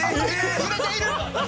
揺れている！